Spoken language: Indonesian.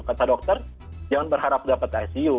kata dokter jangan berharap dapat icu